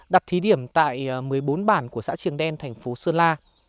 đặt thí điểm tại một mươi bốn bản của xã trường đen thành phố sơn la